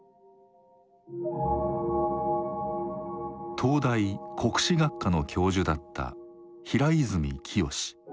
東大国史学科の教授だった平泉澄。